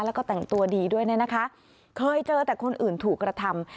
แล้วก็แต่งตัวดีด้วยเนี่ยนะคะเคยเจอแต่คนอื่นถูกกระทำ